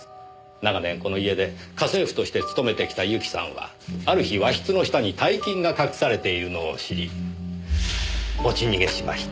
長年この家で家政婦として勤めてきたユキさんはある日和室の下に大金が隠されているのを知り持ち逃げしました。